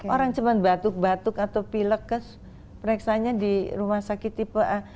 orang cuma batuk batuk atau pilek kes pereksanya di rumah sakit tipe a